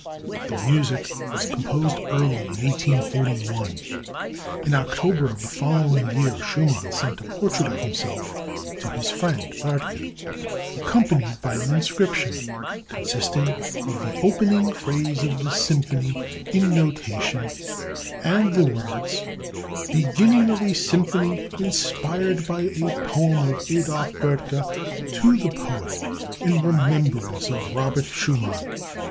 The music was composed early in 1841. In October of the following year Schumann sent a portrait of himself to his friend Böttger, accompanied by an inscription consisting of the opening phrase of the symphony in notation, and the words: "Beginning of a symphony inspired by a poem of Adolph Böttger. To the poet, in remembrance of Robert Schumann."